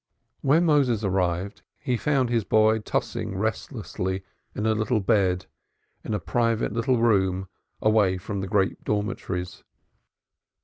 When Moses arrived he found his boy tossing restlessly in a little bed, in a private little room away from the great dormitories.